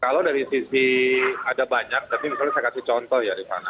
kalau dari sisi ada banyak tapi misalnya saya kasih contoh ya rifana